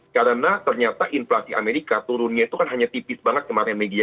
karena ternyata inflasi amerika turunnya itu kan hanya tipis banget kemarin maggie ya